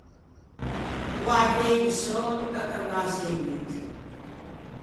No avei un södo da cavâse un euggio.